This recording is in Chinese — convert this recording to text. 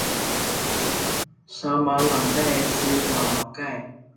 沙马朗代舒瓦盖。